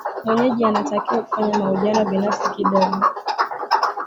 mwenyeji anatakiwa kufanya mahojiano binafsi kidogo